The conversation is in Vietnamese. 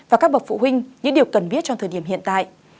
và các bậc phụ huynh những điều cần biết trong thời điểm hiện tại